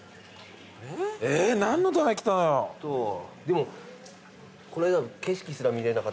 でも。